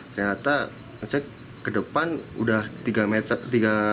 ternyata ke depan sudah tiga rumah